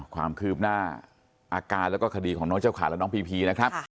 ความคืบหน้าอาการแล้วก็คดีของน้องเจ้าขาและน้องพีพีนะครับ